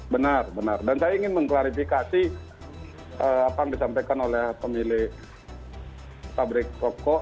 benar benar dan saya ingin mengklarifikasi apa yang disampaikan oleh pemilik pabrik pokok